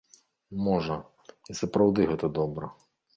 Можа, і сапраўды гэта добра.